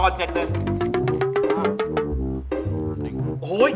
โห้ย๗๑จริงเลย